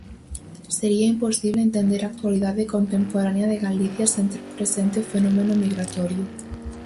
Sería imposible entender a actualidade contemporánea de Galicia sen ter presente o fenómeno migratorio.